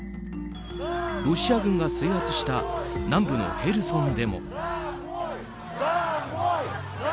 ロシア軍が制圧した南部のヘルソンでも。